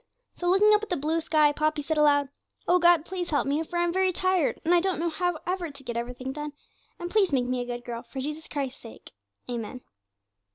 So, looking up at the blue sky, Poppy said aloud, 'O God, please help me, for I'm very tired, and I don't know how ever to get everything done, and please make me a good girl; for Jesus Christ's sake. Amen.'